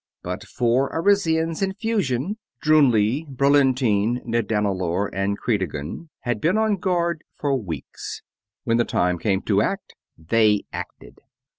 But four Arisians in fusion Drounli, Brolenteen, Nedanillor, and Kriedigan had been on guard for weeks. When the time came to act, they acted.